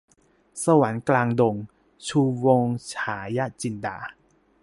สวรรค์กลางดง - ชูวงศ์ ฉายะจินดา